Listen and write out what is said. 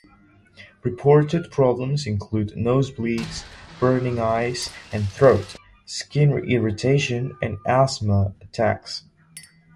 Reported problems include nose-bleeds, burning eyes and throat, skin irritation and asthma attacks.